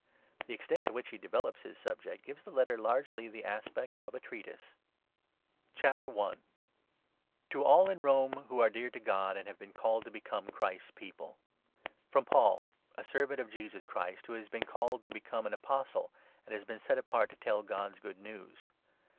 The extent to which he develops his subject gives the Letter largely the aspect of a treatise. TO THE . ROMANS. .! I. — INTRODUCTION. The To all in Rome who are dear to God and have 1 7 1 Apostle's been called to become Christ's People, • Greeting. FROM Paul, a servant of Jesus Christ, who has been called to become an Apostle, and has been set apart to tell God's Good News.